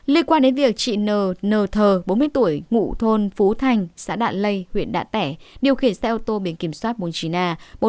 liên quan đến việc chị n n thờ bốn mươi tuổi ngụ thôn phú thành xã đạn lây huyện đạn tẻ điều khiển xe ô tô biển kiểm soát bốn mươi chín a bốn mươi năm nghìn ba mươi hai